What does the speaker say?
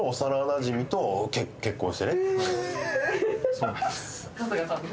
そうなんです。